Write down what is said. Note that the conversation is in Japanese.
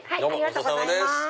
ごちそうさまです。